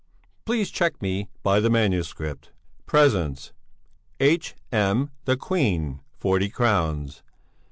Please check me by the manuscript." "'Presents: H.M. the Queen, forty crowns.